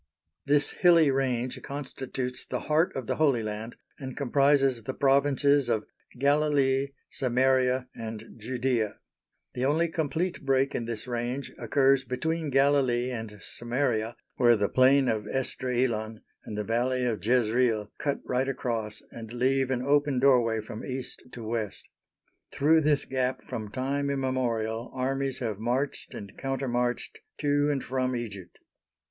This hilly range constitutes the heart of the Holy Land and comprises the provinces of Galilee, Samaria, and Judæa. The only complete break in this range occurs between Galilee and Samaria, where the Plain of Esdraelon and the Valley of Jezreel cut right across and leave an open doorway from East to West. Through this gap from time immemorial armies have marched and counter marched to and from Egypt.